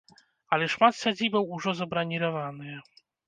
Але шмат сядзібаў ужо забраніраваныя.